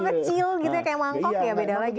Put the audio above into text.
kalau kecil gitu kayak mangkok ya beda lagi